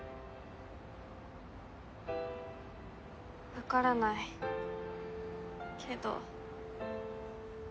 わからないけど。